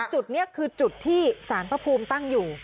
จุดนี้คือจุดที่สารพระภูมิตั้งอยู่